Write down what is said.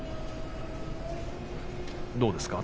どうですか？